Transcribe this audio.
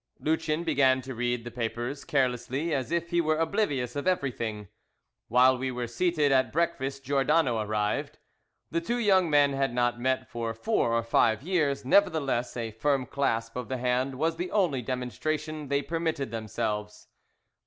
Lucien began to read the papers carelessly, as if he were oblivious of everything. While we were seated at breakfast Giordano arrived. The two young men had not met for four or five years, nevertheless, a firm clasp of the hand was the only demonstration they permitted themselves.